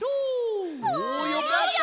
おおよかったね。